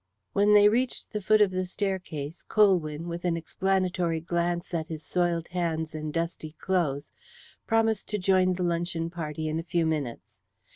When they reached the foot of the staircase, Colwyn, with an explanatory glance at his soiled hands and dusty clothes, promised to join the luncheon party in a few minutes.